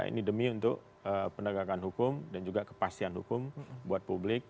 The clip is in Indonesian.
ini demi untuk penegakan hukum dan juga kepastian hukum buat publik